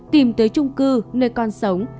tìm tới trung cư nơi con sống